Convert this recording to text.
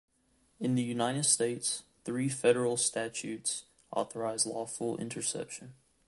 In the United States, three Federal statutes authorize lawful interception.